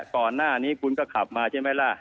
ก่อนหน้านี้คุณก็ขับมาใช่ไหมล่ะ